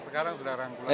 sekarang sudah rangkul